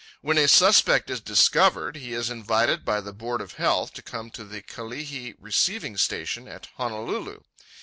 When a suspect is discovered, he is invited by the Board of Health to come to the Kalihi receiving station at Honolulu.